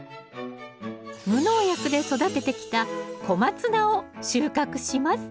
無農薬で育ててきたコマツナを収穫します